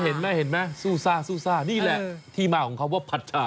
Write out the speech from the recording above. เห็นไหมซู่ซ่านี่แหละที่มาของคำว่าผัดฉา